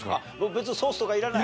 別にソースとかいらない？